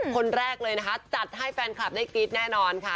คนแรกเลยนะคะจัดให้แฟนคลับได้กรี๊ดแน่นอนค่ะ